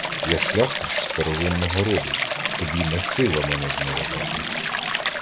Я шляхтич старовинного роду, тобі несила мене зневажити.